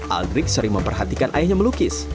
aldrik sering memperhatikan ayahnya melukis